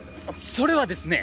それはですね。